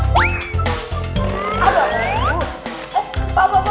banjir dikit pak